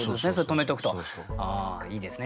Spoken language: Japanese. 留めとくと。いいですね